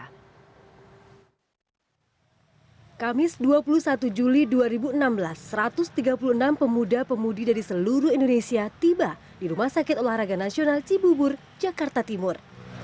kamis dua puluh satu juli dua ribu enam belas satu ratus tiga puluh enam pemuda pemudi dari seluruh indonesia tiba di rumah sakit olahraga nasional cibubur jakarta timur